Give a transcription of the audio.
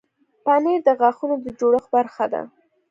پنېر د غاښونو د جوړښت برخه ده.